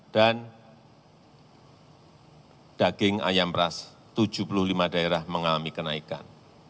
dan daging ayam ras tujuh puluh lima daerah mengalami kenaikan